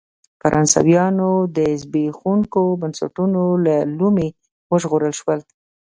فرانسویان د زبېښونکو بنسټونو له لومې وژغورل شول.